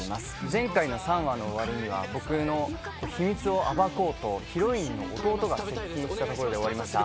前回の３話の終わりには僕の秘密を暴こうとヒロインの弟が接近したところで終わりました。